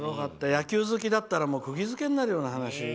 野球好きだったらくぎづけになるような話。